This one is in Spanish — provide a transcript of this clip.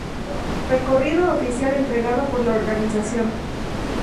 Recorrido oficial entregado por la organización.